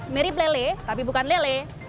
mirip lele tapi bukan lele